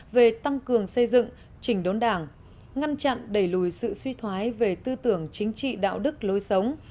về tăng cường xây dựng chỉnh đốn đảng ngăn chặn đẩy lùi sự suy thoái về tư tưởng chính trị đạo đức lối sống